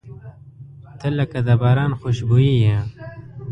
• ته لکه د باران خوشبويي یې.